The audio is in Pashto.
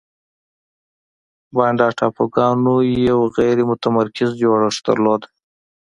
بانډا ټاپوګانو یو غیر متمرکز جوړښت درلود.